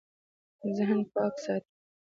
ذهن پاک ساتئ